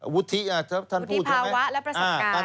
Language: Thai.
วุฒิภาวะและประสบการณ์